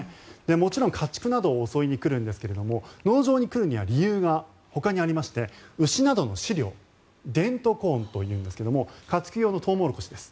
もちろん家畜などを襲いに来るんですけれども農場に来るには理由がほかにありまして牛などの飼料デントコーンというんですが家畜用のトウモロコシです。